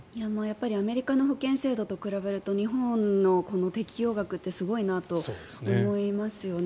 アメリカの保険制度と比べると日本の適用額ってすごいなと思いますよね。